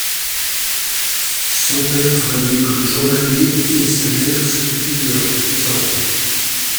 Son père travaillait comme journalier et sa mère s'occupait de leurs enfants.